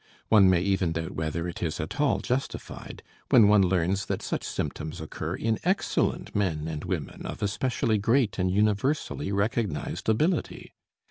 One may even doubt whether it is at all justified, when one learns that such symptoms occur in excellent men and women of especially great and universally recognized ability.